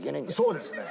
そうですね。